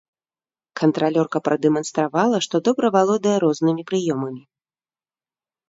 Кантралёрка прадэманстравала, што добра валодае рознымі прыёмамі.